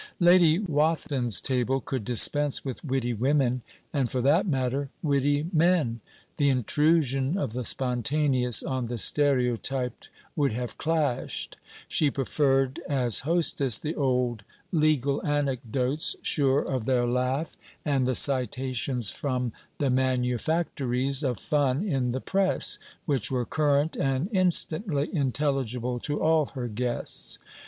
Lady Wathin's table could dispense with witty women, and, for that matter, witty men. The intrusion of the spontaneous on the stereotyped would have clashed. She preferred, as hostess, the old legal anecdotes sure of their laugh, and the citations from the manufactories of fun in the Press, which were current and instantly intelligible to all her guests.